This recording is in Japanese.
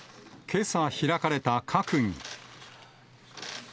けさ開かれた閣議。